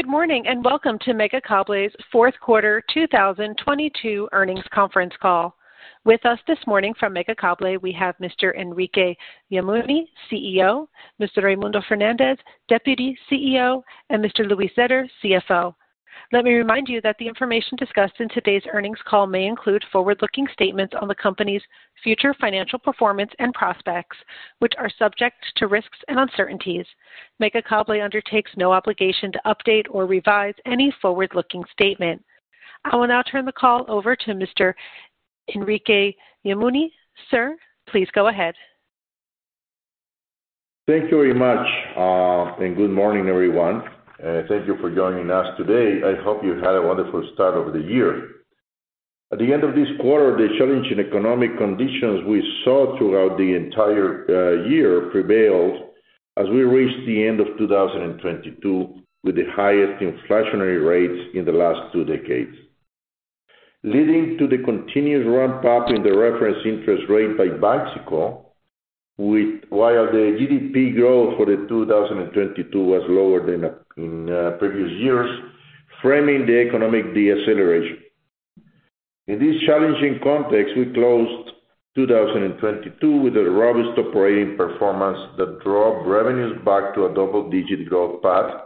Good morning, welcome to Megacable's Fourth Quarter 2022 Earnings Conference call. With us this morning from Megacable, we have Mr. Enrique Yamuni, CEO, Mr. Raymundo Fernandez, Deputy CEO, and Mr. Luis Zetter, CFO. Let me remind you that the information discussed in today's earnings call may include forward-looking statements on the company's future financial performance and prospects, which are subject to risks and uncertainties. Megacable undertakes no obligation to update or revise any forward-looking statement. I will now turn the call over to Mr. Enrique Yamuni. Sir, please go ahead. Thank you very much, good morning, everyone. Thank you for joining us today. I hope you had a wonderful start of the year. At the end of this quarter, the challenging economic conditions we saw throughout the entire year prevailed as we reached the end of 2022 with the highest inflationary rates in the last two decades. Leading to the continued ramp up in the reference interest rate by Banxico while the GDP growth for 2022 was lower than in previous years, framing the economic deceleration. In this challenging context, we closed 2022 with a robust operating performance that drove revenues back to a double-digit growth path.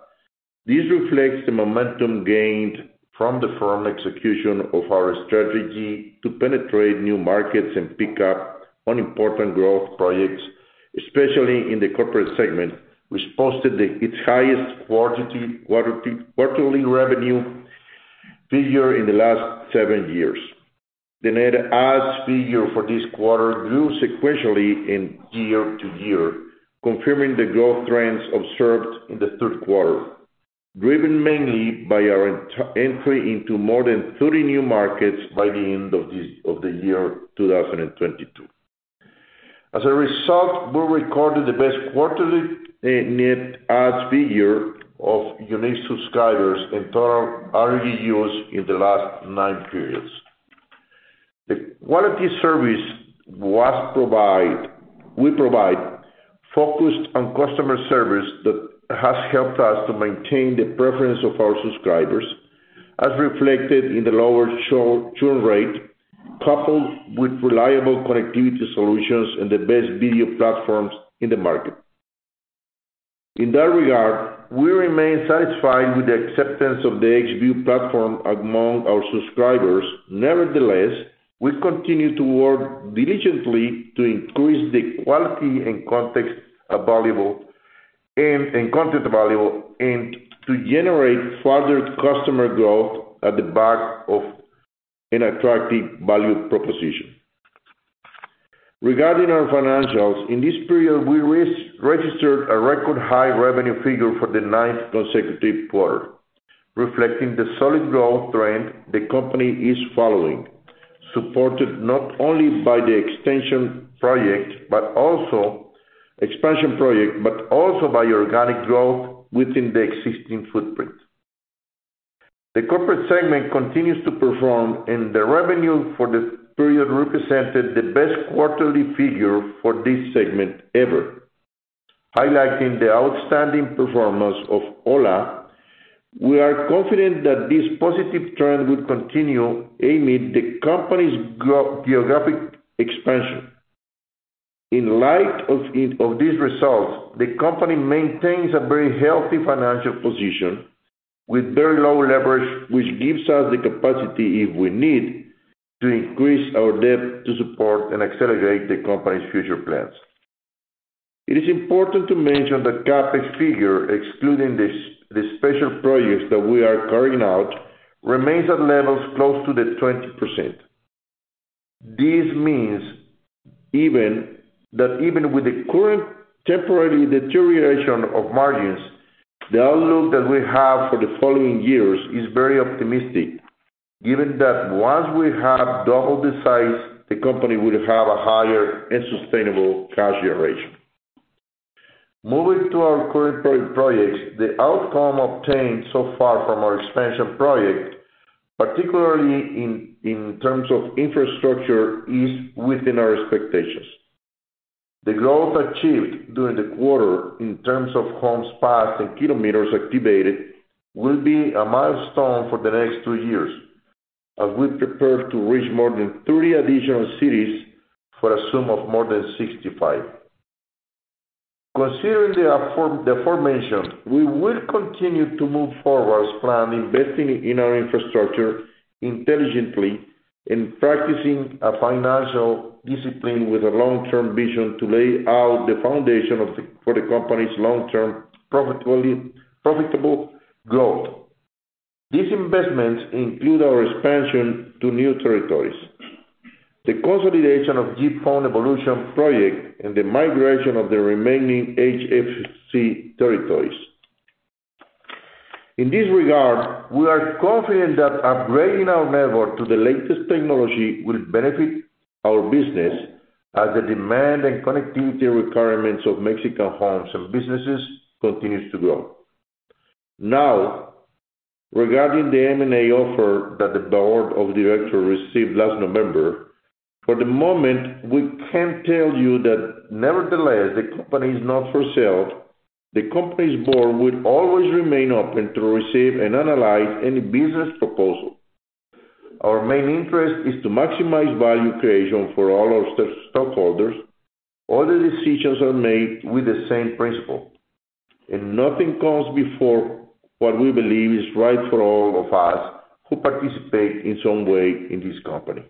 This reflects the momentum gained from the firm execution of our strategy to penetrate new markets and pick up on important growth projects, especially in the corporate segment, which posted its highest quarterly revenue figure in the last seven years. The net adds figure for this quarter grew sequentially and year-to-year, confirming the growth trends observed in the third quarter, driven mainly by our entry into more than 30 new markets by the end of the year 2022. As a result, we recorded the best quarterly net adds figure of unique subscribers and total ARPU in the last nine periods. The quality of service we provide focused on customer service that has helped us to maintain the preference of our subscribers, as reflected in the lower churn rate, coupled with reliable connectivity solutions and the best video platforms in the market. That regard, we remain satisfied with the acceptance of the Xview platform among our subscribers. We continue to work diligently to increase the quality and content value and to generate further customer growth at the back of an attractive value proposition. Regarding our financials, in this period we registered a record high revenue figure for the ninth consecutive quarter, reflecting the solid growth trend the company is following, supported not only by the expansion project, but also by organic growth within the existing footprint. The corporate segment continues to perform, and the revenue for the period represented the best quarterly figure for this segment ever. Highlighting the outstanding performance of ho1a, we are confident that this positive trend will continue amid the company's geographic expansion. In light of these results, the company maintains a very healthy financial position with very low leverage, which gives us the capacity, if we need, to increase our debt to support and accelerate the company's future plans. It is important to mention the CapEx figure, excluding the special projects that we are carrying out, remains at levels close to 20%. This means that even with the current temporary deterioration of margins, the outlook that we have for the following years is very optimistic, given that once we have double the size, the company will have a higher and sustainable cash generation. Moving to our current pro-projects, the outcome obtained so far from our expansion project, particularly in terms of infrastructure, is within our expectations. The growth achieved during the quarter in terms of homes passed and kilometers activated will be a milestone for the next two years as we prepare to reach more than 30 additional cities for a sum of more than 65. Considering the aforementioned, we will continue to move forward as planned, investing in our infrastructure intelligently and practicing a financial discipline with a long-term vision to lay out for the company's long-term profitable growth. These investments include our expansion to new territories, the consolidation of GPON evolution project, and the migration of the remaining HFC territories. In this regard, we are confident that upgrading our network to the latest technology will benefit our business as the demand and connectivity requirements of Mexican homes and businesses continues to grow. Regarding the M&A offer that the board of directors received last November. For the moment, we can tell you that nevertheless, the company is not for sale. The company's board will always remain open to receive and analyze any business proposal. Our main interest is to maximize value creation for all our stake-stockholders. All the decisions are made with the same principle. Nothing comes before what we believe is right for all of us who participate in some way in this company.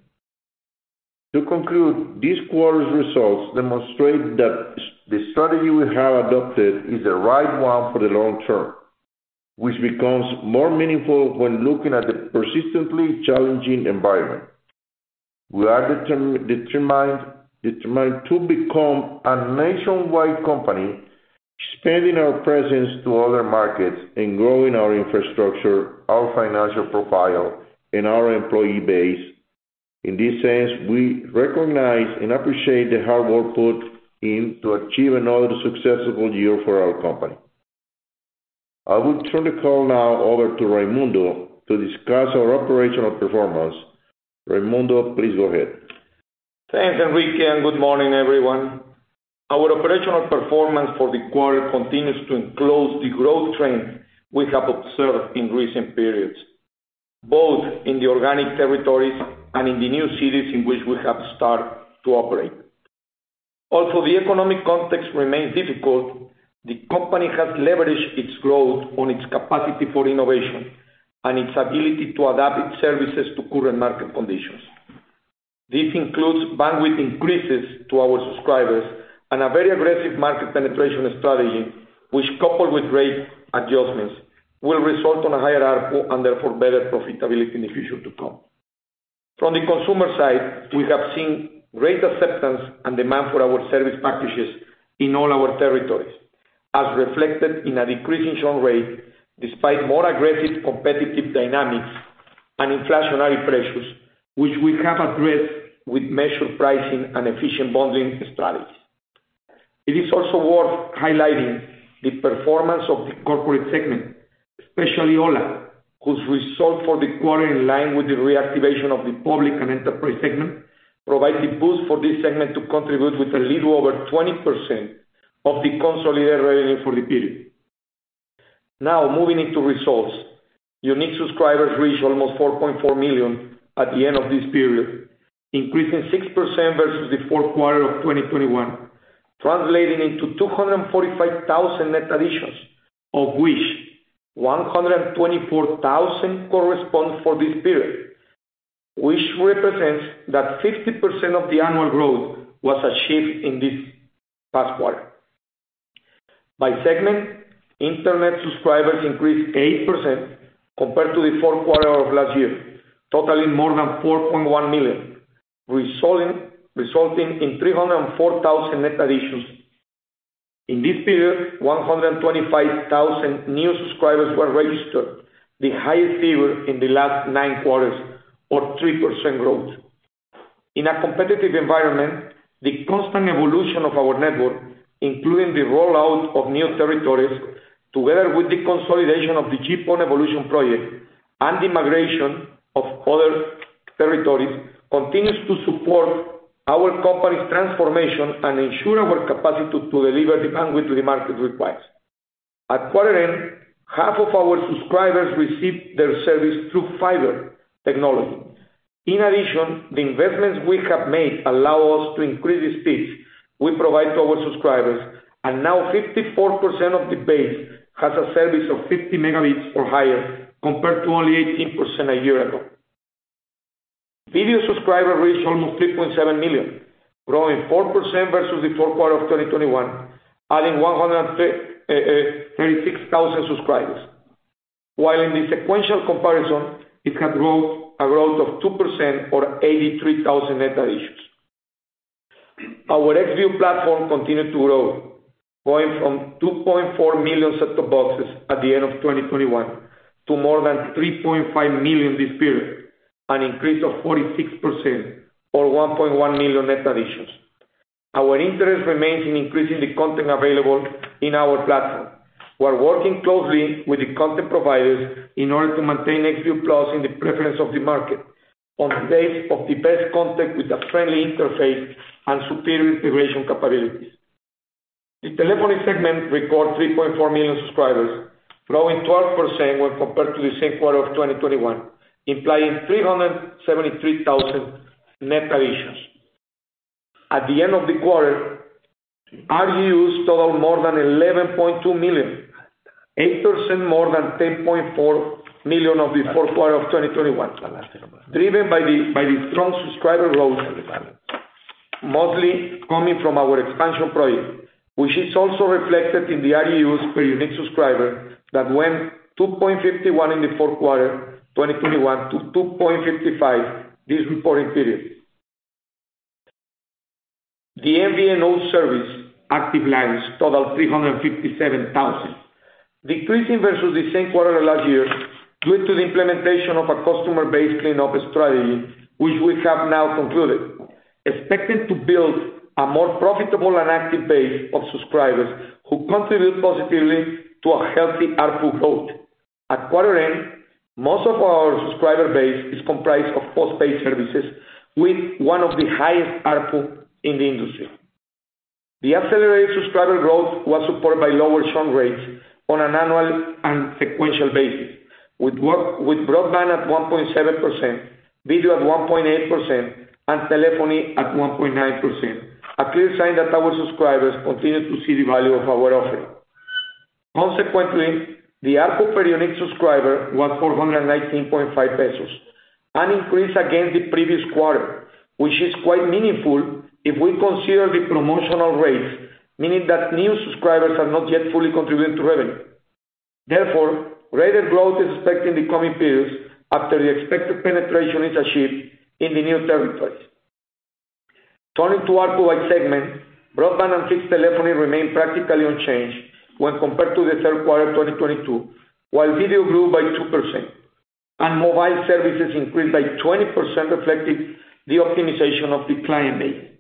To conclude, this quarter's results demonstrate that the strategy we have adopted is the right one for the long term, which becomes more meaningful when looking at the persistently challenging environment. We are determined to become a nationwide company, expanding our presence to other markets and growing our infrastructure, our financial profile, and our employee base. In this sense, we recognize and appreciate the hard work put in to achieve another successful year for our company. I will turn the call now over to Raymundo to discuss our operational performance. Raymundo, please go ahead. Thanks, Enrique, and good morning, everyone. Our operational performance for the quarter continues to enclose the growth trend we have observed in recent periods, both in the organic territories and in the new cities in which we have started to operate. The economic context remains difficult. The company has leveraged its growth on its capacity for innovation and its ability to adapt its services to current market conditions. This includes bandwidth increases to our subscribers and a very aggressive market penetration strategy, which, coupled with rate adjustments, will result in a higher ARPU and therefore better profitability in the future to come. From the consumer side, we have seen great acceptance and demand for our service packages in all our territories, as reflected in a decreasing churn rate despite more aggressive competitive dynamics and inflationary pressures, which we have addressed with measured pricing and efficient bonding strategies. It is also worth highlighting the performance of the corporate segment, especially ho1a, whose result for the quarter in line with the reactivation of the public and enterprise segment, provided boost for this segment to contribute with a little over 20% of the consolidated revenue for the period. Moving into results. Unique subscribers reached almost 4.4 million at the end of this period, increasing 6% versus the fourth quarter of 2021, translating into 245,000 net additions, of which 124,000 correspond for this period, which represents that 50% of the annual growth was achieved in this past quarter. By segment, Internet subscribers increased 8% compared to the fourth quarter of last year, totaling more than 4.1 million, resulting in 304,000 net additions. In this period, 125,000 new subscribers were registered, the highest figure in the last nine quarters or 3% growth. In a competitive environment, the constant evolution of our network, including the rollout of new territories, together with the consolidation of the GPON evolution project and the migration of other territories, continues to support our company's transformation and ensure our capacity to deliver the bandwidth the market requires. At quarter end, half of our subscribers received their service through fiber technology. In addition, the investments we have made allow us to increase the speeds we provide to our subscribers, and now 54% of the base has a service of 50 mbps or higher, compared to only 18% a year ago. Video subscriber reached almost 3.7 million, growing 4% versus the fourth quarter of 2021, adding 136,000 subscribers. In the sequential comparison, it had a growth of 2% or 83,000 net additions. Our Xview platform continued to grow, going from 2.4 million set-top boxes at the end of 2021 to more than 3.5 million this period, an increase of 46% or 1.1 million net additions. Our interest remains in increasing the content available in our platform. We're working closely with the content providers in order to maintain Xview Plus in the preference of the market on the base of the best content with a friendly interface and superior integration capabilities. The telephony segment record 3.4 million subscribers, growing 12% when compared to the same quarter of 2021, implying 373,000 net additions. At the end of the quarter, RGUs totaled more than 11.2 million, 8% more than 10.4 million of the 4th quarter of 2021, driven by the strong subscriber growth mostly coming from our expansion project, which is also reflected in the RGUs per unique subscriber that went 2.51 in the 4th quarter, 2021 to 2.55 this reporting period. The MVNO service active lines totaled 357,000, decreasing versus the same quarter last year due to the implementation of a customer base cleanup strategy, which we have now concluded, expecting to build a more profitable and active base of subscribers who contribute positively to a healthy ARPU growth. At quarter end, most of our subscriber base is comprised of postpaid services with one of the highest ARPU in the industry. The accelerated subscriber growth was supported by lower churn rates on an annual and sequential basis. With broadband at 1.7%, video at 1.8%, and telephony at 1.9%. A clear sign that our subscribers continue to see the value of our offering. The ARPU per unique subscriber was 419.5 pesos, an increase against the previous quarter, which is quite meaningful if we consider the promotional rates, meaning that new subscribers are not yet fully contributing to revenue. Greater growth is expected in the coming periods after the expected penetration is achieved in the new territories. Turning to ARPU by segment, broadband and fixed telephony remained practically unchanged when compared to the third quarter 2022, while video grew by 2% and mobile services increased by 20%, reflecting the optimization of the client base.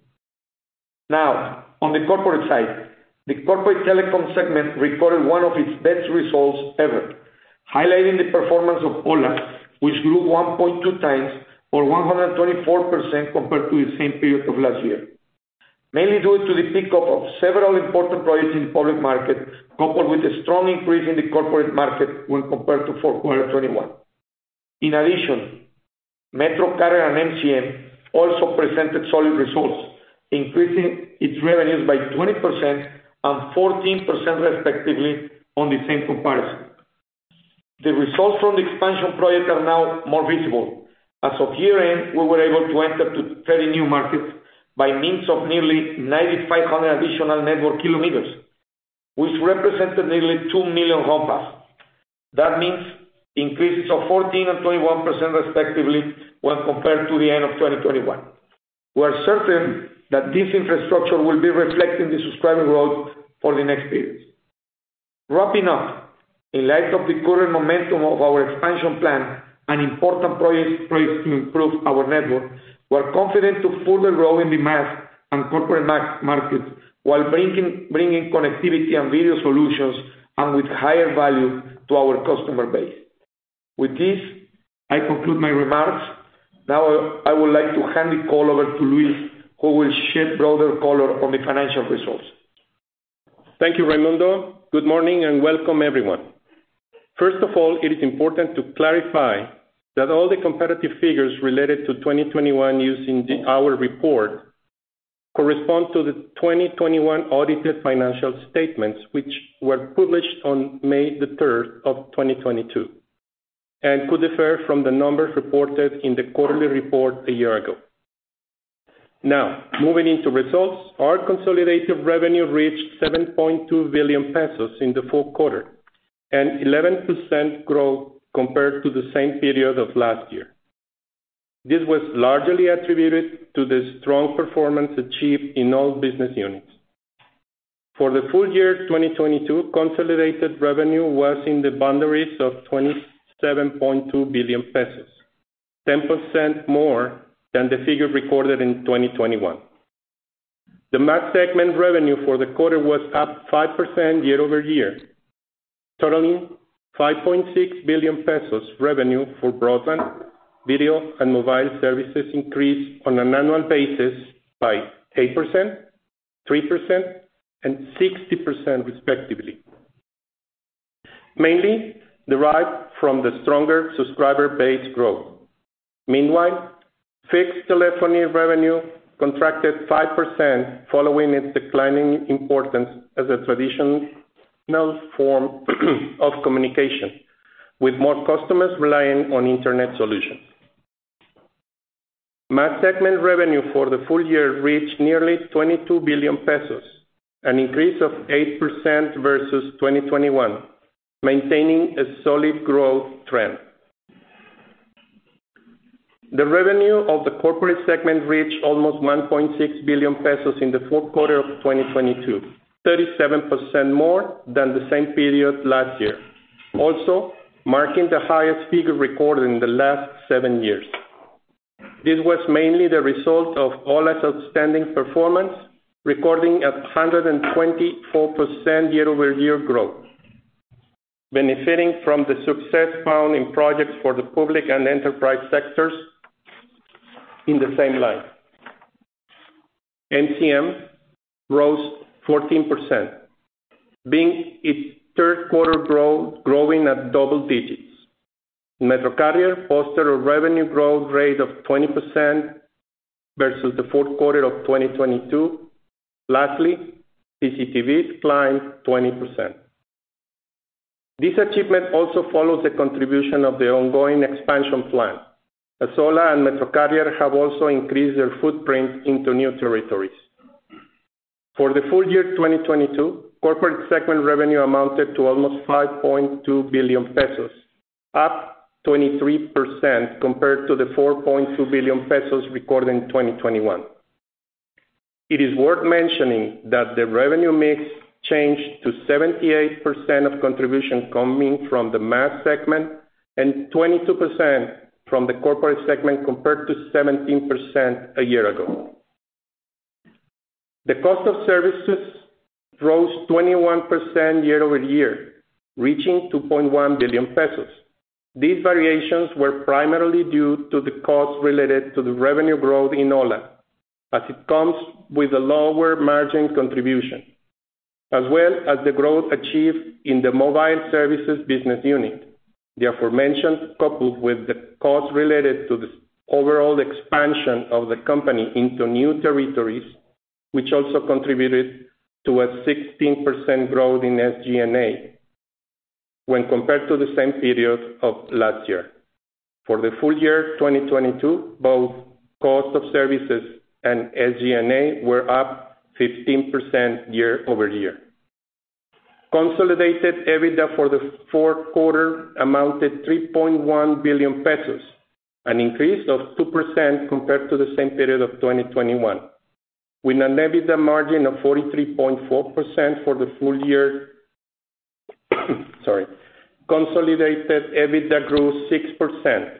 On the corporate side, the corporate telecom segment recorded one of its best results ever, highlighting the performance of ho1a, which grew 1.2 times or 124% compared to the same period of last year. Mainly due to the pickup of several important projects in the public market, coupled with a strong increase in the corporate market when compared to fourth quarter 2021. MetroCarrier and MCM also presented solid results, increasing its revenues by 20% and 14% respectively on the same comparison. The results from the expansion project are now more visible. As of year-end, we were able to enter to 30 new markets by means of nearly 9,500 additional network kilometers, which represented nearly 2 million home pass. That means increases of 14% and 21% respectively when compared to the end of 2021. We are certain that this infrastructure will be reflecting the subscriber growth for the next periods. Wrapping up, in light of the current momentum of our expansion plan and important projects to improve our network, we are confident to further grow in the mass and corporate max markets while bringing connectivity and video solutions, and with higher value to our customer base. With this, I conclude my remarks. I would like to hand the call over to Luis, who will shed broader color on the financial results. Thank you, Raymundo. Good morning and welcome everyone. First of all, it is important to clarify that all the competitive figures related to 2021 used in our report correspond to the 2021 audited financial statements which were published on May 3, 2022, and could differ from the numbers reported in the quarterly report a year ago. Now, moving into results, our consolidated revenue reached 7.2 billion pesos in the fourth quarter, an 11% growth compared to the same period of last year. For the full year 2022, consolidated revenue was in the boundaries of 27.2 billion pesos, 10% more than the figure recorded in 2021. The Mass segment revenue for the quarter was up 5% year-over-year, totaling 5.6 billion pesos revenue for broadband, video, and mobile services increased on an annual basis by 8%, 3%, and 60% respectively, mainly derived from the stronger subscriber base growth. Meanwhile, fixed telephony revenue contracted 5% following its declining importance as a traditional form of communication, with more customers relying on internet solutions. Mass segment revenue for the full year reached nearly 22 billion pesos, an increase of 8% versus 2021, maintaining a solid growth trend. The revenue of the corporate segment reached almost 1.6 billion pesos in the fourth quarter of 2022, 37% more than the same period last year. Also marking the highest figure recorded in the last seven years. This was mainly the result of ho1a's outstanding performance, recording at 124% year-over-year growth, benefiting from the success found in projects for the public and enterprise sectors in the same line. MCM rose 14%, being its third quarter grow, growing at double digits. MetroCarrier fostered a revenue growth rate of 20% versus the fourth quarter of 2022. Lastly, PCTV climbed 20%. This achievement also follows the contribution of the ongoing expansion plan, as ho1a and MetroCarrier have also increased their footprint into new territories. For the full year 2022, corporate segment revenue amounted to almost 5.2 billion pesos, up 23% compared to the 4.2 billion pesos recorded in 2021. It is worth mentioning that the revenue mix changed to 78% of contribution coming from the Mass segment and 22% from the corporate segment, compared to 17% a year ago. The cost of services rose 21% year-over-year, reaching 2.1 billion pesos. These variations were primarily due to the cost related to the revenue growth in ho1a, as it comes with a lower margin contribution, as well as the growth achieved in the mobile services business unit. The aforementioned, coupled with the costs related to the overall expansion of the company into new territories, which also contributed to a 16% growth in SG&A when compared to the same period of last year. For the full year 2022, both cost of services and SG&A were up 15% year-over-year. Consolidated EBITDA for the fourth quarter amounted 3.1 billion pesos, an increase of 2% compared to the same period of 2021, with an EBITDA margin of 43.4% for the full year. Sorry. Consolidated EBITDA grew 6%,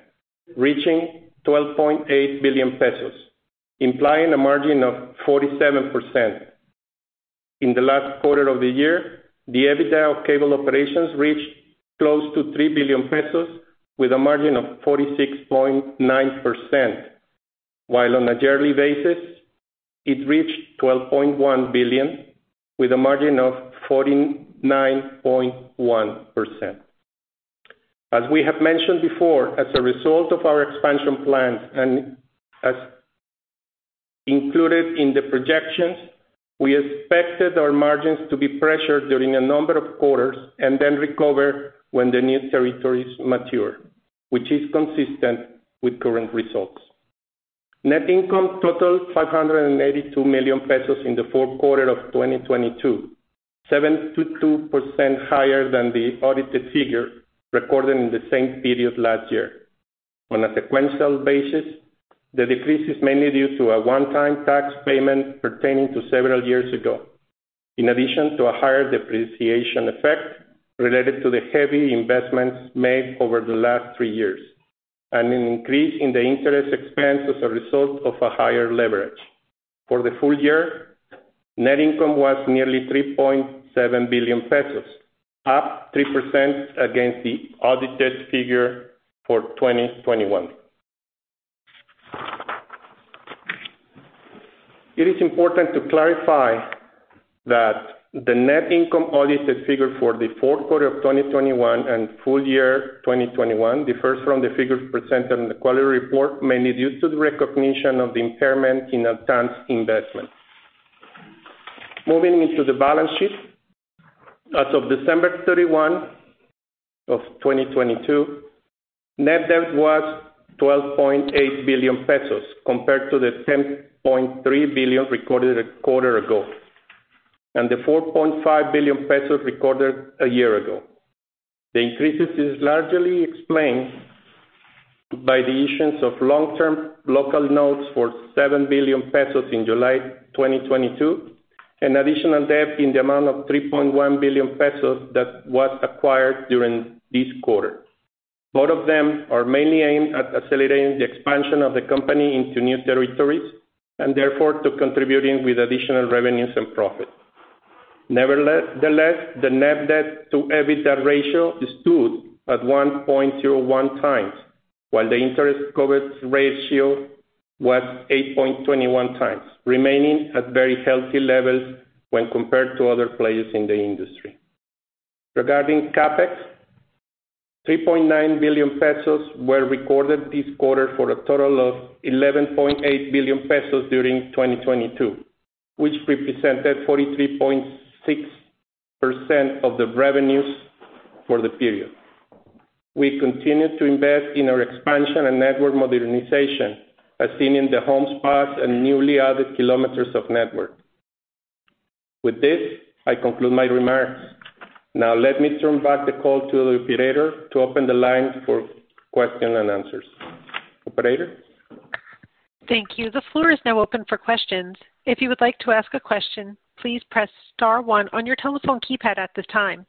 reaching 12.8 billion pesos, implying a margin of 47%. In the last quarter of the year, the EBITDA of cable operations reached close to 3 billion pesos with a margin of 46.9%, while on a yearly basis, it reached 12.1 billion with a margin of 49.1%. As we have mentioned before, as a result of our expansion plans and as included in the projections, we expected our margins to be pressured during a number of quarters and then recover when the new territories mature, which is consistent with current results. Net income totaled 582 million pesos in the fourth quarter of 2022, 72% higher than the audited figure recorded in the same period last year. On a sequential basis, the decrease is mainly due to a one-time tax payment pertaining to several years ago, in addition to a higher depreciation effect related to the heavy investments made over the last three years, and an increase in the interest expense as a result of a higher leverage. For the full year, net income was nearly 3.7 billion pesos, up 3% against the audited figure for 2021. It is important to clarify that the net income audited figure for the fourth quarter of 2021 and full year 2021 differs from the figures presented in the quarterly report, mainly due to the recognition of the impairment in advance investments. Moving into the balance sheet. As of December 31, 2022, net debt was 12.8 billion pesos compared to the 10.3 billion recorded a quarter ago, the 4.5 billion pesos recorded a year ago. The increase is largely explained by the issuance of long-term local notes for 7 billion pesos in July 2022, an additional debt in the amount of 3.1 billion pesos that was acquired during this quarter. Both of them are mainly aimed at accelerating the expansion of the company into new territories and therefore to contributing with additional revenues and profits. The net debt to EBITDA ratio stood at 1.01 times, while the interest coverage ratio was 8.21 times, remaining at very healthy levels when compared to other players in the industry. Regarding CapEx, 3.9 billion pesos were recorded this quarter for a total of 11.8 billion pesos during 2022, which represented 43.6% of the revenues for the period. We continue to invest in our expansion and network modernization, as seen in the home spots and newly added kilometers of network. With this, I conclude my remarks. Now let me turn back the call to the operator to open the line for question and answers. Operator? Thank you. The floor is now open for questions. If you would like to ask a question, please press star one on your telephone keypad at this time.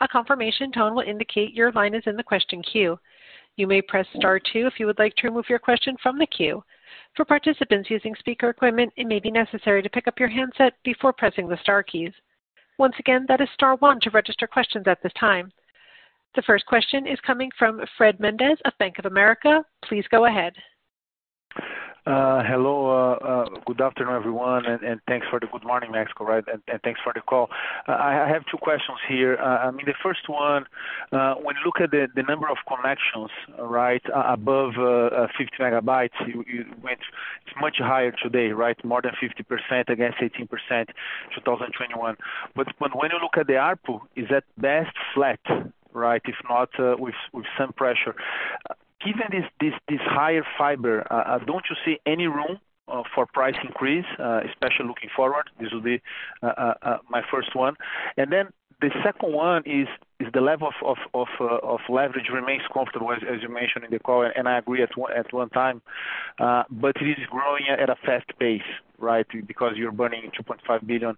A confirmation tone will indicate your line is in the question queue. You may press star two if you would like to remove your question from the queue. For participants using speaker equipment, it may be necessary to pick up your handset before pressing the star keys. Once again, that is star one to register questions at this time. The first question is coming from Fred Mendes of Bank of America. Please go ahead. Hello, good afternoon, everyone, and thanks for the good morning, Mexico, right? Thanks for the call. I have two questions here. I mean, the first one, when you look at the number of connections, right, above 50 MB, you went much higher today, right? More than 50% against 18%, 2021. When you look at the ARPU, is that best flat, right? If not, with some pressure. Given this higher fiber, don't you see any room for price increase, especially looking forward? This will be my first one. The second one is the level of leverage remains comfortable, as you mentioned in the call, and I agree at one time. It is growing at a fast pace, right? Because you're burning 2.5 billion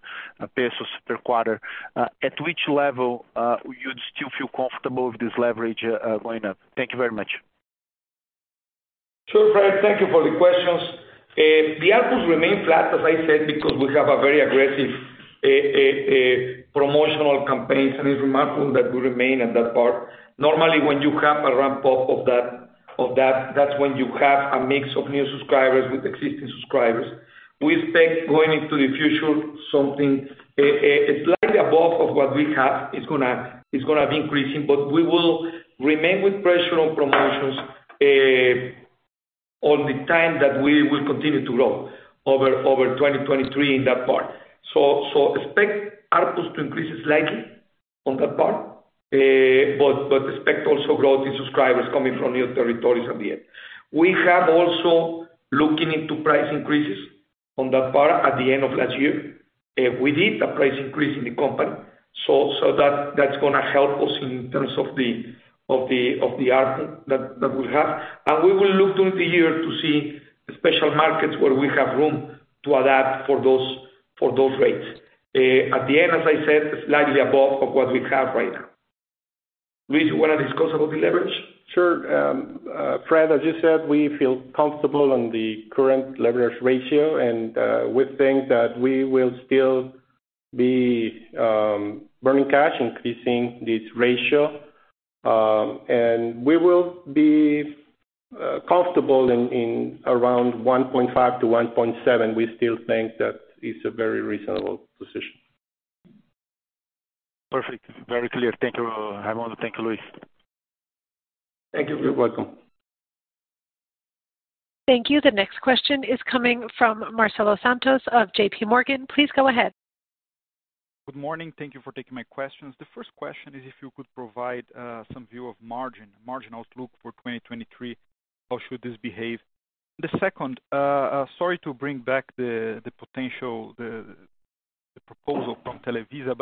pesos per quarter. At which level, you'd still feel comfortable with this leverage, going up? Thank you very much. Sure, Fred. Thank you for the questions. The ARPU remain flat, as I said, because we have a very aggressive promotional campaigns. It's remarkable that we remain at that part. Normally, when you have a ramp up of that's when you have a mix of new subscribers with existing subscribers. We expect going into the future something slightly above of what we have is gonna be increasing. We will remain with pressure on promotions all the time that we will continue to grow over 2023 in that part. Expect ARPU to increase slightly on that part. Expect also growth in subscribers coming from new territories at the end. We have also looking into price increases on that part at the end of last year. We did a price increase in the company, so that's gonna help us in terms of the ARPU that we have. We will look during the year to see special markets where we have room to adapt for those rates. At the end, as I said, slightly above of what we have right now. Luis, you wanna discuss about the leverage? Sure. Fred, as you said, we feel comfortable on the current leverage ratio. We think that we will still be burning cash, increasing this ratio. We will be comfortable in around 1.5-1.7. We still think that it's a very reasonable position. Perfect. Very clear. Thank you, Ramon. Thank you, Luis. Thank you. You're welcome. Thank you. The next question is coming from Marcelo Santos of JPMorgan. Please go ahead. Good morning. Thank you for taking my questions. The first question is if you could provide some view of margin outlook for 2023. How should this behave? The second, sorry to bring back the potential proposal from Televisa.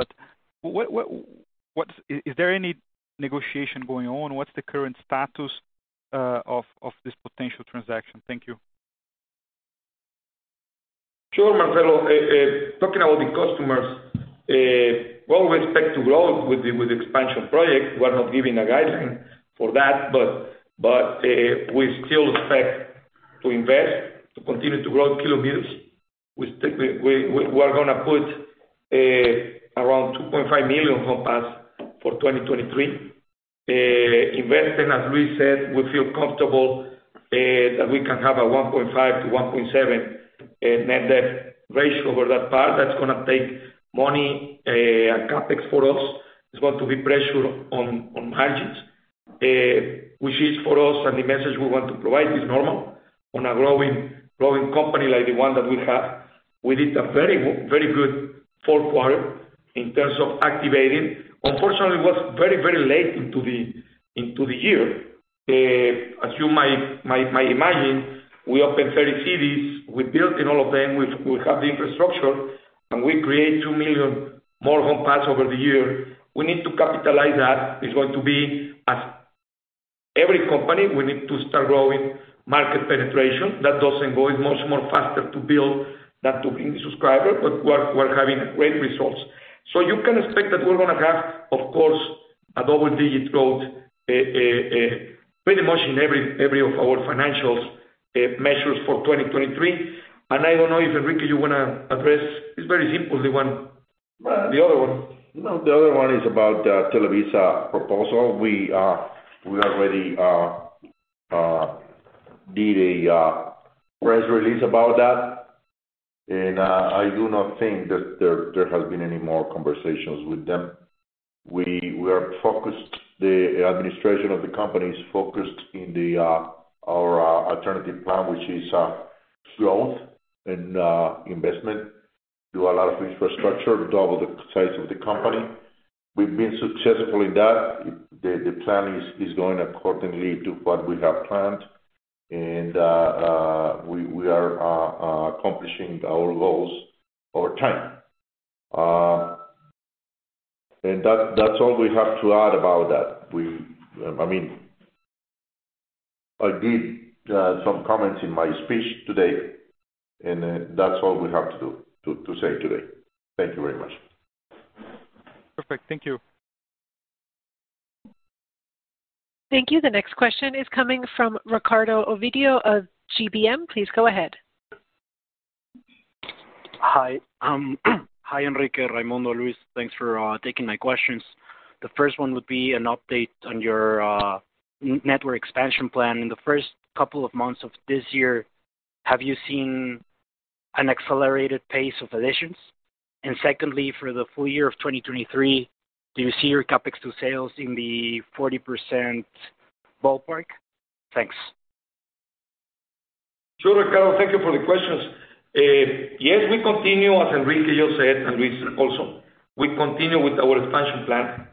Is there any negotiation going on? What's the current status of this potential transaction? Thank you. Sure, Marcelo. Talking about the customers, well, we expect to grow with the expansion project. We're not giving a guideline for that, but we still expect to invest to continue to grow kilometers. We're gonna put around 2.5 million home pass for 2023. Investing, as we said, we feel comfortable that we can have a 1.5-1.7 net debt ratio over that part. That's gonna take money and CapEx for us. It's going to be pressure on margins, which is for us, and the message we want to provide is normal on a growing company like the one that we have. We did a very good fourth quarter in terms of activating. Unfortunately, it was very, very late into the year. As you might imagine, we opened 30 cities. We built in all of them. We have the infrastructure, and we create 2 million more home passes over the year. We need to capitalize that. It's going to be as every company, we need to start growing market penetration. That doesn't go as much more faster to build than to increase subscribers, but we're having great results. You can expect that we're gonna have, of course, a double digit growth, pretty much in every of our financials, measures for 2023. I don't know if, Enrique, you wanna address? It's very simple, the one. Well, the other one. No, the other one is about the Televisa proposal. We already did a press release about that. I do not think that there has been any more conversations with them. We are focused, the administration of the company is focused in our alternative plan, which is growth and investment. Do a lot of infrastructure, double the size of the company. We've been successful in that. The plan is going accordingly to what we have planned. We are accomplishing our goals over time. That's all we have to add about that. We, I mean... I did some comments in my speech today, that's all we have to say today. Thank you very much. Perfect. Thank you. Thank you. The next question is coming from Ricardo Ovidio of GBM. Please go ahead. Hi, Enrique, Raymundo, Luis. Thanks for taking my questions. The first one would be an update on your network expansion plan. In the first couple of months of this year, have you seen an accelerated pace of additions? Secondly, for the full year of 2023, do you see your CapEx to sales in the 40% ballpark? Thanks. Sure, Ricardo. Thank you for the questions. Yes, we continue, as Enrique just said, and Luis also, we continue with our expansion plan,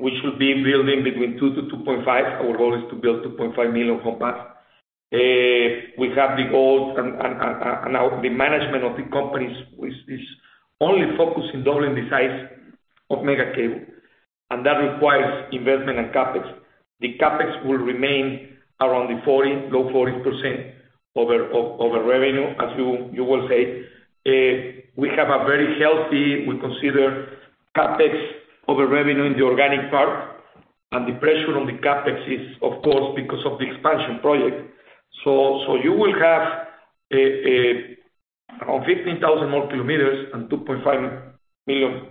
which would be building between 2 to 2.5. Our goal is to build 2.5 million home pass. We have the goals and the management of the company is only focused in doubling the size of Megacable, and that requires investment and CapEx. The CapEx will remain around the 40%, low 40% over revenue, as you will say. We have a very healthy, we consider CapEx over revenue in the organic part, and the pressure on the CapEx is of course because of the expansion project. You will have around 15,000 more kilometers and 2.5 million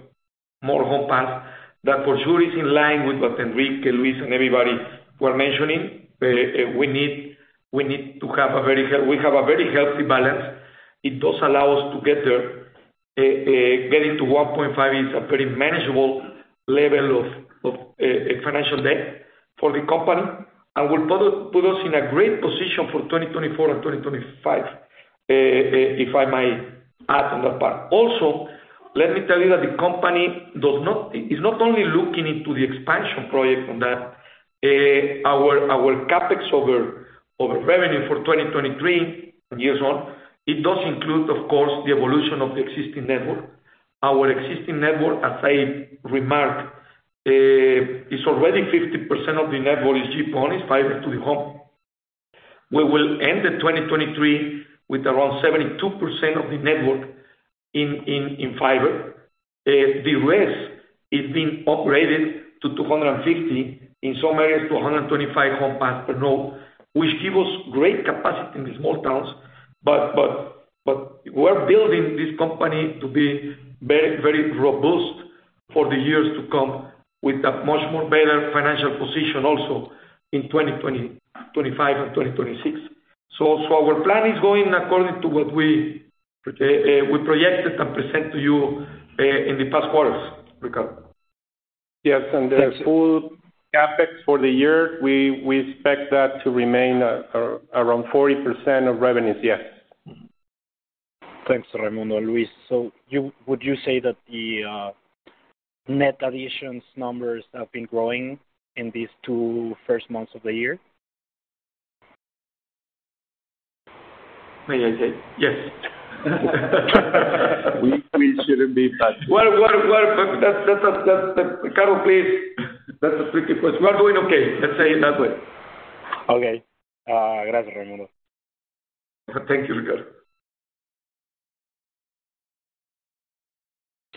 more home pass that for sure is in line with what Enrique, Luis, and everybody were mentioning. We have a very healthy balance. It does allow us to get there. Getting to 1.5 is a very manageable level of financial debt for the company and will put us in a great position for 2024 and 2025, if I may add on that part. Let me tell you that the company is not only looking into the expansion project on that. Our CapEx over revenue for 2023 years on, it does include, of course, the evolution of the existing network. Our existing network, as I remarked, is already 50% of the network is GPON, is fiber to the home. We will end 2023 with around 72% of the network in fiber. The rest is being operated to 250, in some areas to 125 home pass per node, which give us great capacity in the small towns. We're building this company to be very, very robust for the years to come with a much more better financial position also in 2025 and 2026. Our plan is going according to what we projected and present to you in the past quarters, Ricardo. Yes. Thank you. The full CapEx for the year, we expect that to remain around 40% of revenues, yes. Mm-hmm. Thanks, Raymundo. Luis, would you say that the net additions numbers have been growing in these 2 first months of the year? May I say? Yes. We shouldn't be touched. Well, well, well, Carlo, please. That's a tricky question. We are doing okay. Let's say it that way. Okay. gracias, Raymundo. Thank you, Ricardo.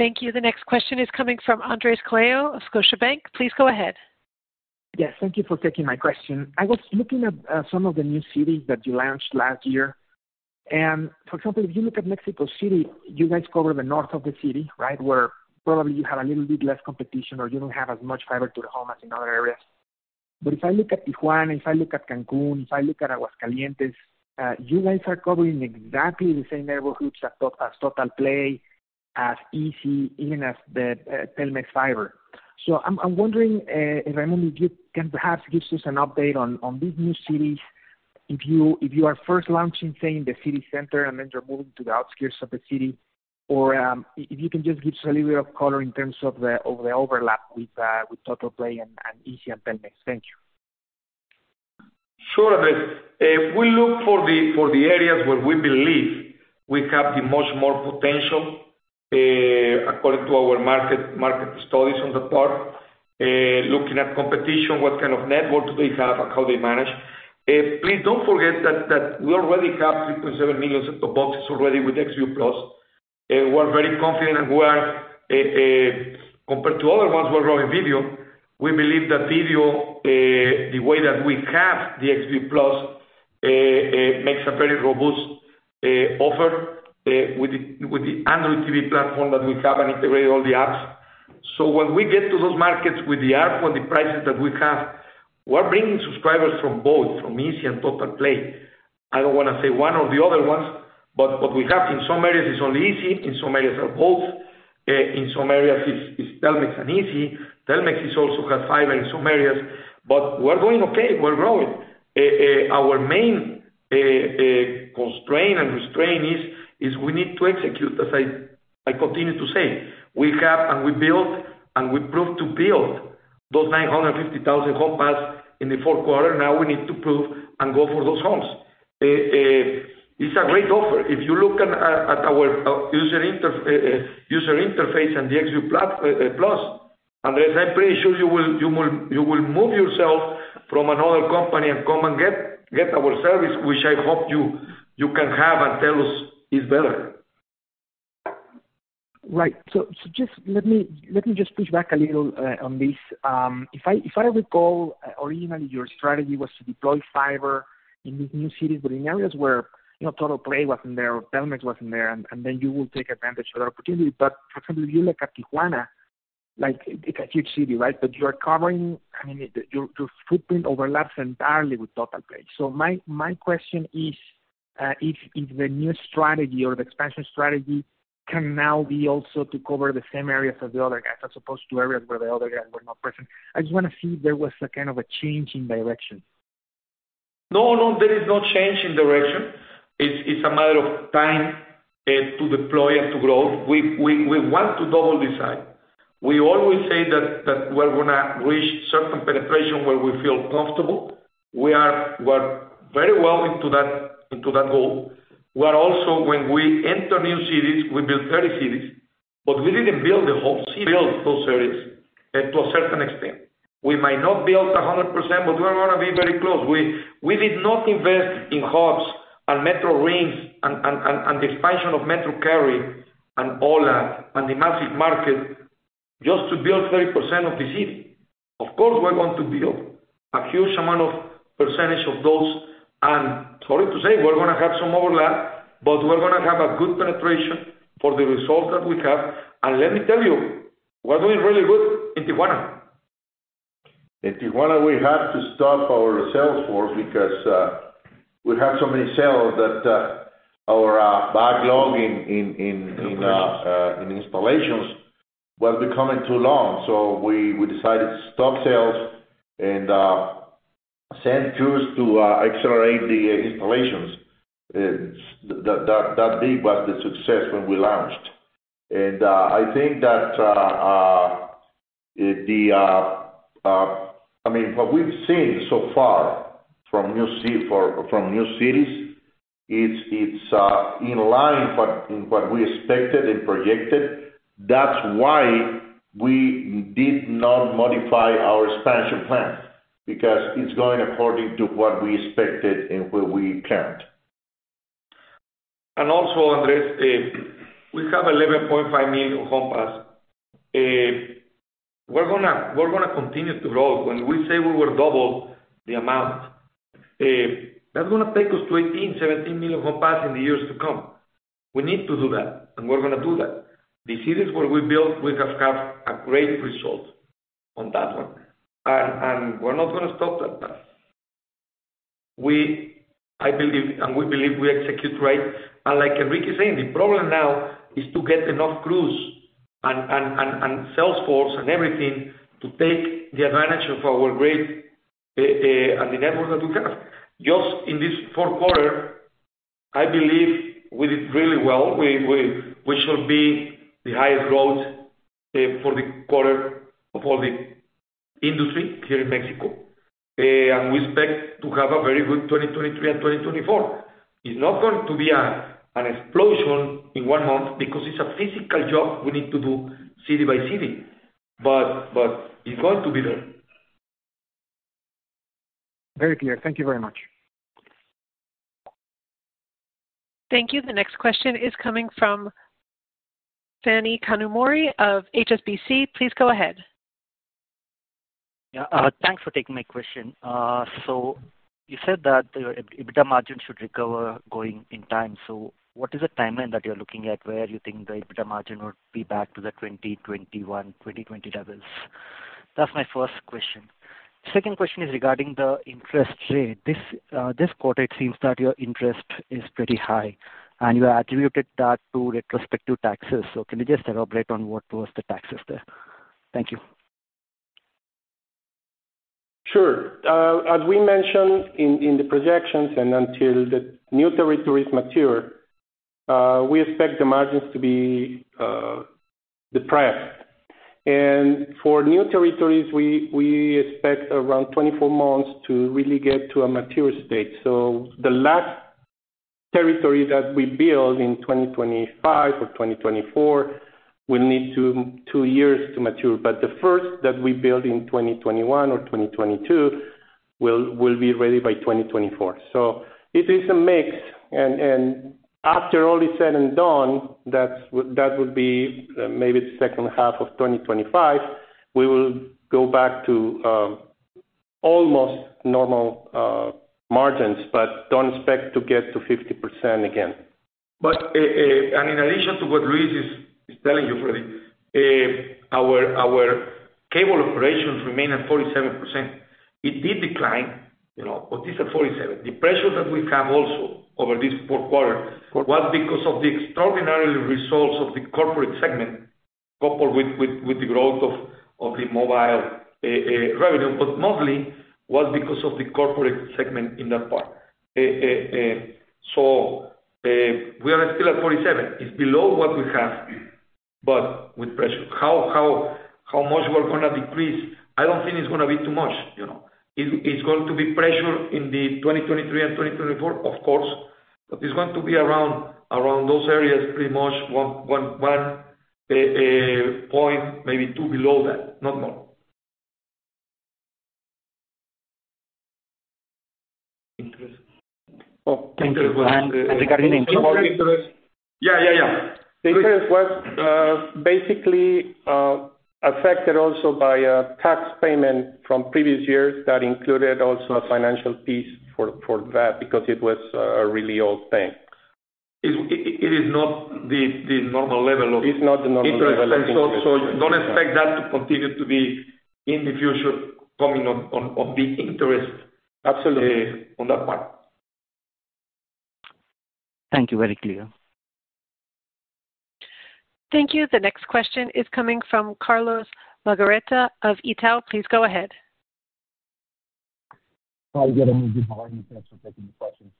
Thank you. The next question is coming from Andres Coello of Scotiabank. Please go ahead. Yes, thank you for taking my question. I was looking at some of the new cities that you launched last year. For example, if you look at Mexico City, you guys cover the north of the city, right? Where probably you have a little bit less competition or you don't have as much fiber to the home as in other areas. If I look at Tijuana, if I look at Cancun, if I look at Aguascalientes, you guys are covering exactly the same neighborhoods as Total Play, as izzi, even as the Telmex fiber. I'm wondering, if I mean you can perhaps give us an update on these new cities. If you are first launching, say, in the city center and then you're moving to the outskirts of the city. If you can just give us a little bit of color in terms of the overlap with Total Play and izzi and Telmex. Thank you. Sure, Andres. We look for the areas where we believe we have the much more potential, according to our market studies on the part. Looking at competition, what kind of network do they have and how they manage. Please don't forget that we already have 3.7 million of boxes already with Xview Plus. We're very confident and we are, compared to other ones who are growing video, we believe that video, the way that we have the Xview Plus, makes a very robust offer, with the Android TV platform that we have and integrate all the apps. When we get to those markets with the app or the prices that we have, we're bringing subscribers from both, from izzi and Total Play. I don't wanna say one or the other ones. What we have in some areas is only izzi, in some areas are both, in some areas it's Telmex and izzi. Telmex is also have fiber in some areas. We're doing okay, we're growing. Our main constraint and restraint is we need to execute, as I continue to say. We have, and we build, and we prove to build those 950,000 home pass in the fourth quarter. Now we need to prove and go for those homes. It's a great offer. If you look at at our user interface and the Xview Plus, Andres, I'm pretty sure you will move yourself from another company and come and get our service, which I hope you can have and tell us it's better. Right. Just let me push back a little on this. If I recall, originally your strategy was to deploy fiber in these new cities, but in areas where, you know, Total Play wasn't there or Telmex wasn't there, and then you will take advantage of that opportunity. For example, if you look at Tijuana, like it's a huge city, right? You are covering, I mean, your footprint overlaps entirely with Total Play. My question is, if the new strategy or the expansion strategy can now be also to cover the same areas as the other guys, as opposed to areas where the other guys were not present. I just wanna see if there was a kind of a change in direction. No, there is no change in direction. It's a matter of time to deploy and to grow. We want to double the size. We always say that we're gonna reach certain penetration where we feel comfortable. We are very well into that, into that goal. We are also when we enter new cities, we build 30 cities. We didn't build the whole city, build those areas to a certain extent. We might not build 100%, but we are gonna be very close. We did not invest in hubs and metro rings and the expansion of MetroCarrier and ho1a and the massive market just to build 30% of the city. Of course, we're going to build a huge amount of percentage of those. Sorry to say, we're gonna have some overlap, but we're gonna have a good penetration for the result that we have. Let me tell you, we're doing really good in Tijuana. In Tijuana, we had to stop our sales force because we had so many sales that our backlog in installations was becoming too long. We decided to stop sales and send crews to accelerate the installations. That big was the success when we launched. I mean, what we've seen so far from new cities, it's in line in what we expected and projected. That's why we did not modify our expansion plans because it's going according to what we expected and what we planned. Also, Andres, we have 11.5 million home pass. We're gonna continue to grow. When we say we will double the amount, that's gonna take us to 18, 17 million home pass in the years to come. We need to do that, and we're gonna do that. The cities where we built, we have had a great result on that one. We're not gonna stop that fast. I believe, and we believe we execute right. Like Enrique is saying, the problem now is to get enough crews and sales force and everything to take the advantage of our great and the network that we have. Just in this fourth quarter, I believe we did really well. We should be the highest growth for the quarter of all the industry here in Mexico. We expect to have a very good 2023 and 2024. It's not going to be an explosion in 1 month because it's a physical job we need to do city by city. It's going to be there. Very clear. Thank you very much. Thank you. The next question is coming from Phani Kumar Kanumuri of HSBC. Please go ahead. Thanks for taking my question. You said that your EBITDA margin should recover going in time. What is the timeline that you're looking at where you think the EBITDA margin would be back to the 2021, 2020 levels? That's my first question. Second question is regarding the interest rate. This quarter, it seems that your interest is pretty high, and you attributed that to retrospective taxes. Can you just elaborate on what was the taxes there? Thank you. Sure. As we mentioned in the projections until the new territories mature, we expect the margins to be depressed. For new territories, we expect around 24 months to really get to a mature state. The last territory that we build in 2025 or 2024 will need two years to mature. The first that we build in 2021 or 2022 will be ready by 2024. It is a mix. After all is said and done, that would be maybe the second half of 2025, we will go back to almost normal margins, but don't expect to get to 50% again. And in addition to what Luis is telling you, Freddy, our cable operations remain at 47%. It did decline, you know, but it's at 47. The pressure that we have also over this fourth quarter was because of the extraordinary results of the corporate segment coupled with the growth of the mobile revenue, but mostly was because of the corporate segment in that part. We are still at 47. It's below what we have, but with pressure. How much we're gonna decrease, I don't think it's gonna be too much, you know. It's going to be pressure in the 2023 and 2024, of course, but it's going to be around those areas pretty much 1 point, maybe 2 below that, not more. Interest. Oh, thank you. regarding interest- Yeah, yeah. The interest was, basically, affected also by a tax payment from previous years that included also a financial piece for that because it was a really old thing. It is not the normal level. It's not the normal level.... interest. Don't expect that to continue to be in the future coming on the. Absolutely on that part. Thank you. Very clear. Thank you. The next question is coming from Pablo Ricalde Martinez of Itaú BBA. Please go ahead. How are you doing? Good morning. Thanks for taking the question.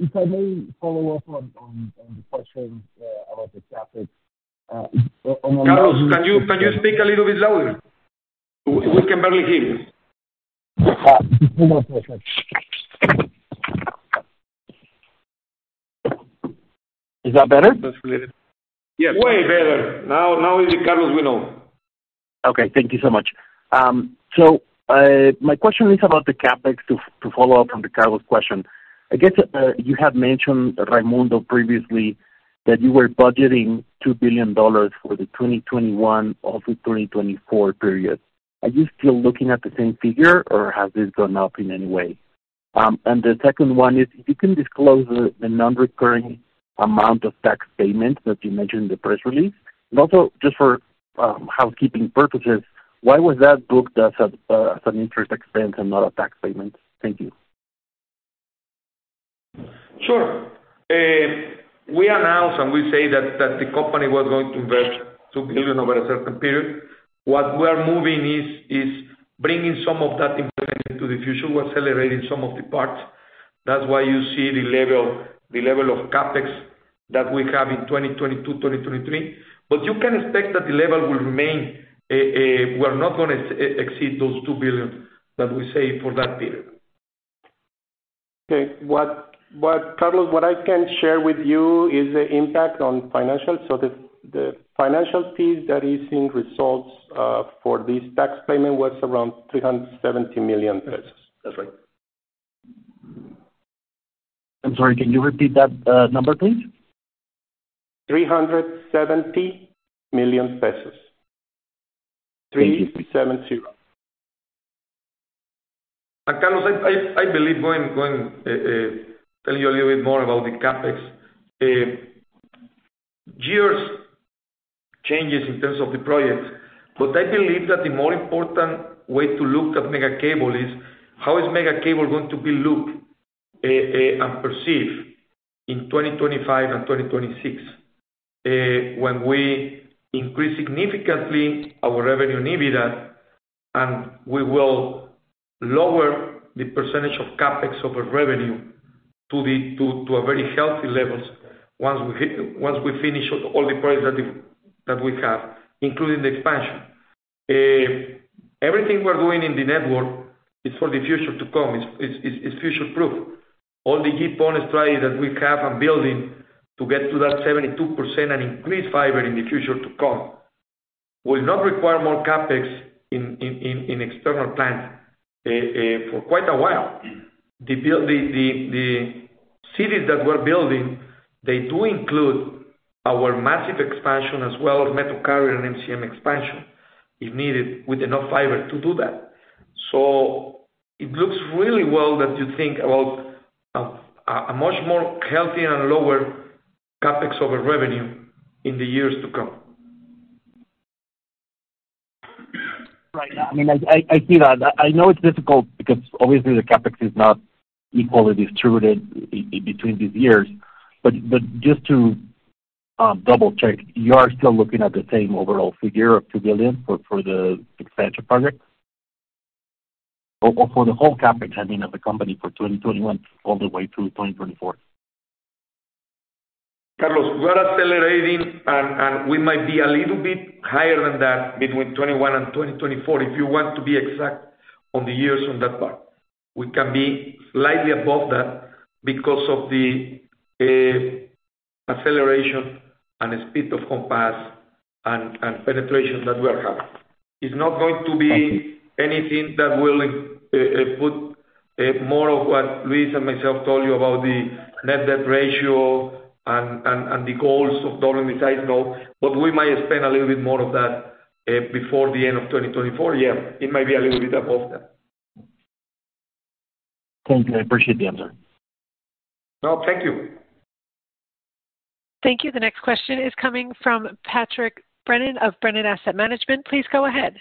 If I may follow up on the question about the traffic. Carlos, can you speak a little bit louder? We can barely hear you. One more question. Is that better? That's better. Way better. Now is the Carlos we know. Okay, thank you so much. My question is about the CapEx to follow up from the Carlos question. I guess, you had mentioned, Raymundo, previously that you were budgeting $2 billion for the 2021 of the 2024 period. Are you still looking at the same figure or has this gone up in any way? The second one is if you can disclose the non-recurring amount of tax payments that you mentioned in the press release, and also just for housekeeping purposes, why was that booked as an interest expense and not a tax payment? Thank you. Sure. We announced, and we say that the company was going to invest $2 billion over a certain period. What we're moving is bringing some of that investment into the future. We're accelerating some of the parts. That's why you see the level of CapEx that we have in 2022, 2023. You can expect that the level will remain. We're not gonna exceed those $2 billion that we save for that period. Okay. What Carlos, what I can share with you is the impact on financials. The financial piece that is in results for this tax payment was around 370 million pesos. That's right. I'm sorry, can you repeat that number, please? MXN 370 million. Thank you. 370. Carlos, I believe going tell you a little bit more about the CapEx. Years changes in terms of the projects, I believe that the more important way to look at Megacable is how is Megacable going to be looked and perceived in 2025 and 2026, when we increase significantly our revenue and EBITDA, and we will lower the percentage of CapEx over revenue to a very healthy levels once we finish all the projects that we have, including the expansion. Everything we're doing in the network is for the future to come. It's future proof. All the Fiber Deep strategy that we have and building to get to that 72% and increase fiber in the future to come will not require more CapEx in external plans for quite a while. The cities that we're building, they do include our massive expansion as well as MetroCarrier and MCM expansion if needed with enough fiber to do that. It looks really well that you think about a much more healthier and lower CapEx over revenue in the years to come. Right. I mean, I see that. I know it's difficult because obviously the CapEx is not equally distributed between these years. Just to double-check, you are still looking at the same overall figure of $2 billion for the expansion project or for the whole CapEx, I mean, of the company for 2021 all the way through 2024? Carlos, we're accelerating and we might be a little bit higher than that between 2021 and 2024, if you want to be exact on the years on that part. We can be slightly above that because of the acceleration and the speed of CapEx and penetration that we are having. Thank you. anything that will put more of what Luis and myself told you about the net debt ratio and the goals of US dollar and the size note, we might spend a little bit more of that before the end of 2024. It might be a little bit above that. Thank you. I appreciate the answer. Well, thank you. Thank you. The next question is coming from Patrick Brennan of Brennan Asset Management. Please go ahead.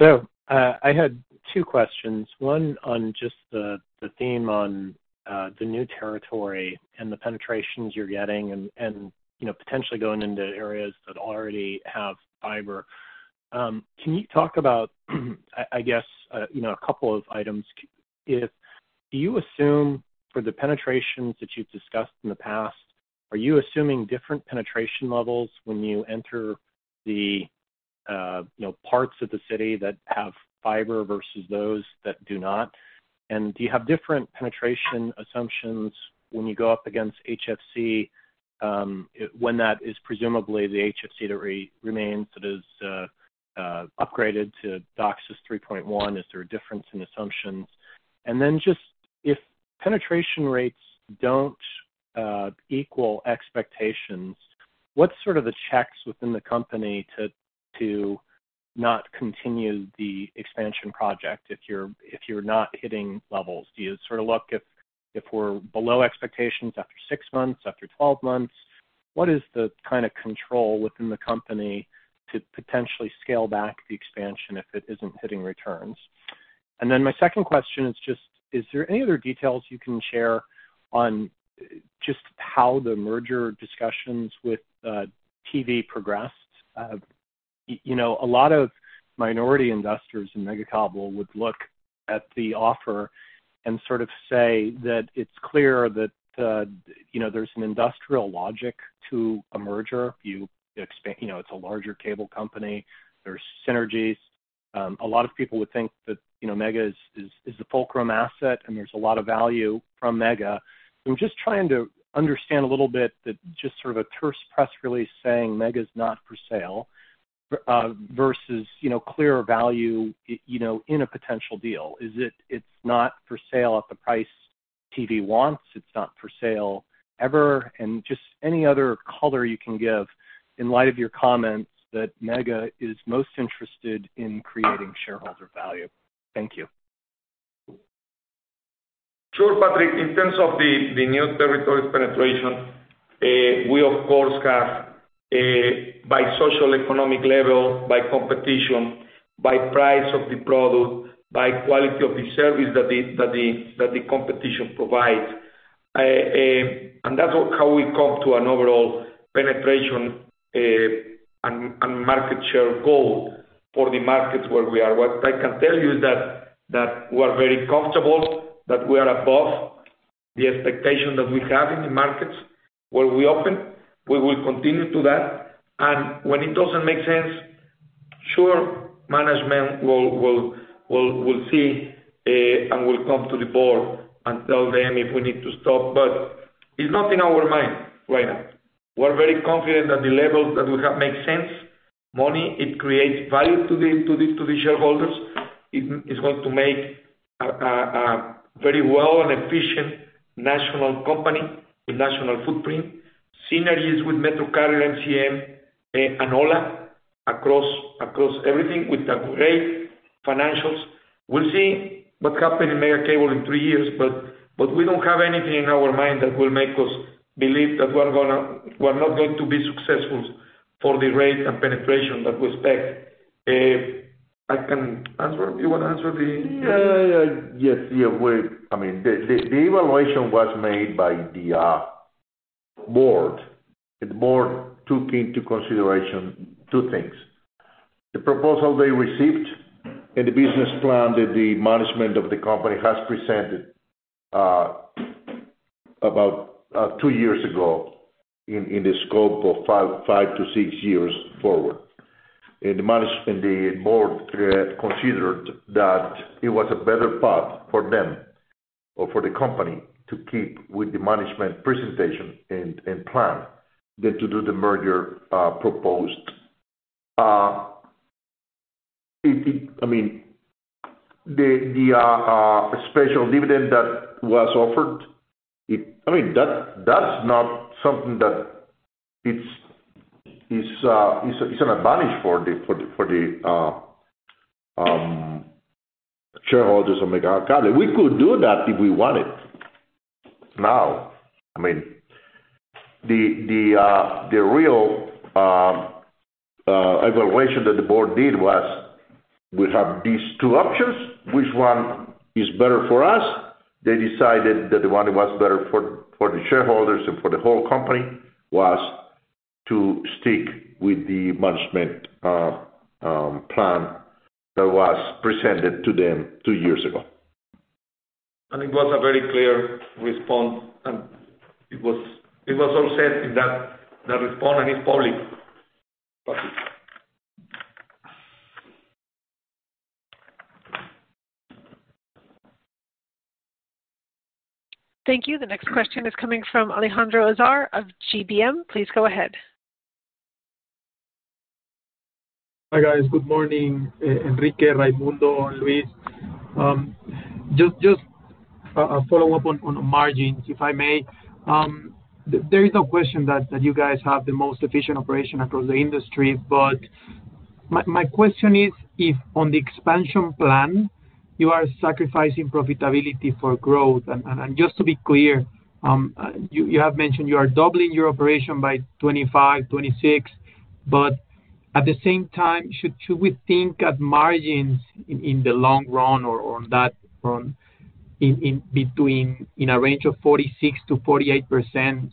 I had two questions. One on just the theme on the new territory and the penetrations you're getting and, you know, potentially going into areas that already have fiber. Can you talk about, I guess, you know, a couple of items. Do you assume for the penetrations that you've discussed in the past, are you assuming different penetration levels when you enter the, you know, parts of the city that have fiber versus those that do not? Do you have different penetration assumptions when you go up against HFC, when that is presumably the HFC that remains that is upgraded to DOCSIS 3.1? Is there a difference in assumptions? Just if penetration rates don't equal expectations, what's sort of the checks within the company to not continue the expansion project if you're not hitting levels? Do you sort of look if we're below expectations after six months, after 12 months? What is the kind of control within the company to potentially scale back the expansion if it isn't hitting returns? My second question is just, is there any other details you can share on just how the merger discussions with TD progressed? You know, a lot of minority investors in Megacable would look at the offer and sort of say that it's clear that you know, there's an industrial logic to a merger. You know, it's a larger cable company. There's synergies. A lot of people would think that, you know, Mega is a fulcrum asset, and there's a lot of value from Mega. I'm just trying to understand a little bit that just sort of a terse press release saying Mega's not for sale, versus, you know, clearer value you know, in a potential deal. Is it's not for sale at the price TV wants? It's not for sale ever? Just any other color you can give in light of your comments that Mega is most interested in creating shareholder value. Thank you. Sure, Patrick. In terms of the new territory penetration, we of course have by social economic level, by competition, by price of the product, by quality of the service that the competition provides. That's how we come to an overall penetration and market share goal for the markets where we are. What I can tell you is that we're very comfortable, that we are above the expectation that we have in the markets where we open. We will continue to do that. When it doesn't make sense, sure, management will see and will come to the board and tell them if we need to stop. It's not in our mind right now. We're very confident that the levels that we have make sense. Money, it creates value to the shareholders. It is going to make a very well and efficient national company with national footprint. Synergies with MetroCarrier, MCM, and ho1a across everything with the great financials. We'll see what happens in Megacable in three years. We don't have anything in our mind that will make us believe that we're not going to be successful for the rate and penetration that we expect. I can answer. You wanna answer? Yes, I mean, the evaluation was made by the board. The board took into consideration 2 things: the proposal they received and the business plan that the management of the company has presented about 2 years ago in the scope of 5-6 years forward. The management, the board, considered that it was a better path for them or for the company to keep with the management presentation and plan than to do the merger proposed. I mean, the special dividend that was offered, I mean, that's not something that it's an advantage for the shareholders of Megacable. We could do that if we wanted now. I mean, the real evaluation that the board did was we have these two options. Which one is better for us? They decided that the one that was better for the shareholders and for the whole company was to stick with the management plan that was presented to them two years ago. It was a very clear response, and it was all said in that response and it's public, Patrick. Thank you. The next question is coming from Alejandro Azar of GBM. Please go ahead. Hi, guys. Good morning, Enrique, Raimundo and Luis. Just a follow-up on margins, if I may. There is no question that you guys have the most efficient operation across the industry, but my question is if on the expansion plan you are sacrificing profitability for growth. Just to be clear, you have mentioned you are doubling your operation by 2025, 2026, but at the same time, should we think of margins in the long run or that run in between, in a range of 46%-48%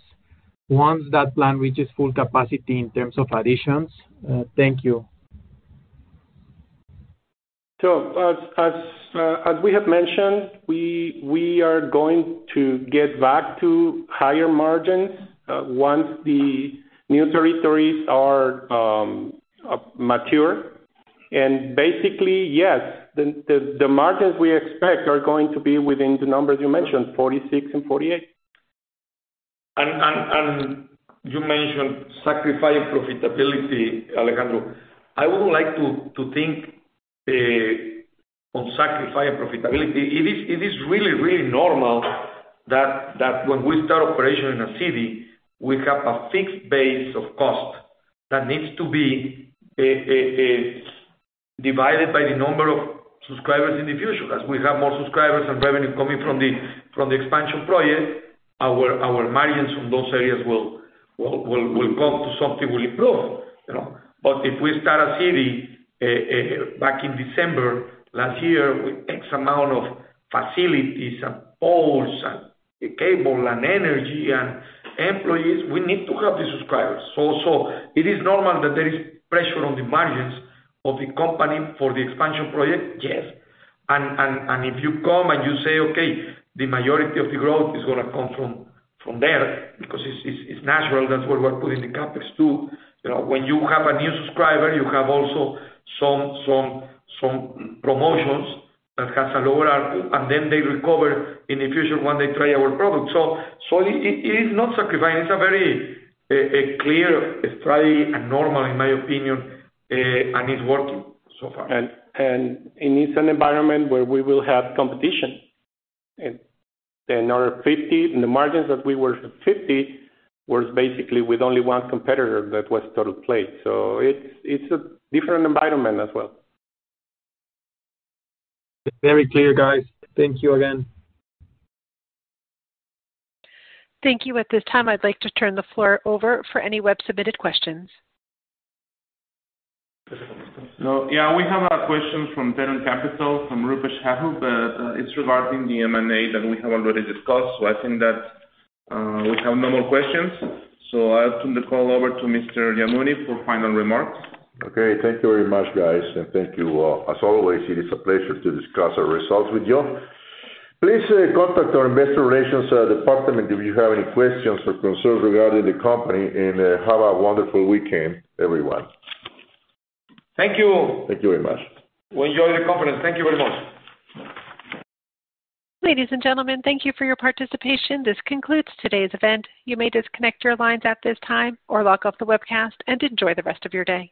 once that plan reaches full capacity in terms of additions? Thank you. As we have mentioned, we are going to get back to higher margins once the new territories are mature. Basically, yes, the margins we expect are going to be within the numbers you mentioned, 46% and 48%. You mentioned sacrifice profitability, Alejandro. I wouldn't like to think on sacrifice profitability. It is really, really normal that when we start operation in a city, we have a fixed base of cost that needs to be divided by the number of subscribers in the future. As we have more subscribers and revenue coming from the expansion project, our margins from those areas will come to something will improve, you know. If we start a city back in December last year with X amount of facilities and poles and cable and energy and employees, we need to have the subscribers. It is normal that there is pressure on the margins of the company for the expansion project? Yes. If you come and you say, "Okay, the majority of the growth is gonna come from there," because it's natural, that's where we're putting the CapEx too. You know, when you have a new subscriber, you have also some promotions that has a lower ARPU, and then they recover in the future when they try our product. It is not sacrificing. It's a very clear strategy and normal in my opinion, and it's working so far. It is an environment where we will have competition in another 50%. In the margins that we were 50% was basically with only one competitor that was Totalplay. It's a different environment as well. It's very clear, guys. Thank you again. Thank you. At this time, I'd like to turn the floor over for any web-submitted questions. No. Yeah. We have a question from Terram Capital from Rupesh Hahu, but, it's regarding the M&A that we have already discussed. I think that, we have no more questions. I'll turn the call over to Mr. Yamuni for final remarks. Okay. Thank you very much, guys, and thank you all. As always, it is a pleasure to discuss our results with you. Please contact our investor relations department if you have any questions or concerns regarding the company. Have a wonderful weekend, everyone. Thank you. Thank you very much. We enjoy the conference. Thank you very much. Ladies and gentlemen, thank you for your participation. This concludes today's event. You may disconnect your lines at this time or log off the webcast and enjoy the rest of your day.